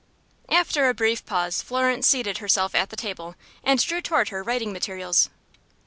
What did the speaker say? After a brief pause Florence seated herself at the table, and drew toward her writing materials.